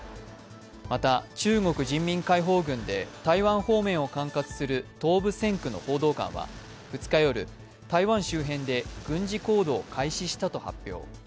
また中国人民解放軍で台湾方面を管轄する東部戦区の報道官は２日夜、台湾周辺で軍事行動を開始したと発表。